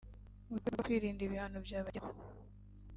mu rwego rwo kwirinda ibihano byabageraho